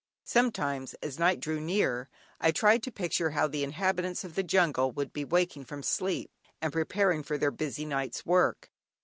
Sometimes, as night drew near, I tried to picture how the inhabitants of the jungle would be waking from sleep and preparing for their busy night's work.